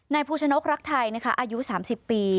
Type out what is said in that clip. ภูชนกรักไทยอายุ๓๐ปี